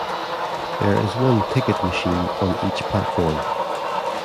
There is one ticket machine on each platform.